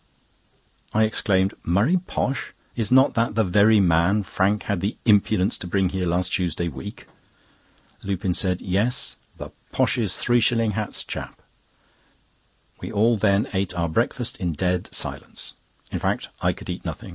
I exclaimed, "Murray Posh! Is not that the very man Frank had the impudence to bring here last Tuesday week?" Lupin said: "Yes; the 'Posh's three shilling hats' chap." We all then ate our breakfast in dead silence. In fact, I could eat nothing.